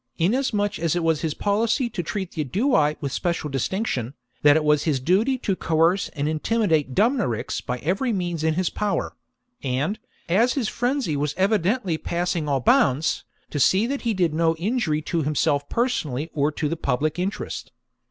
inasmuch as it was his policy to treat the Aedui with special distinction, that it was his duty to coerce and intimidate Dumnorix by every means V OF BRITAIN 131 in his power ; and, as his frenzy was evidently 54 b.c. passing all bounds, to see that he did no injury to himself personally or to the public interest.